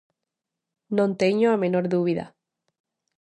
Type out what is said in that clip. Non teño a menor dúbida.